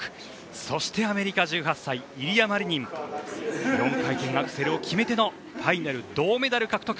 そしてアメリカの１８歳イリア・マリニンは４回転アクセルを決めてのファイナル銅メダル獲得。